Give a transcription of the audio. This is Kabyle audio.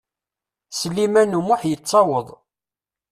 Sliman U Muḥ yettaweḍ.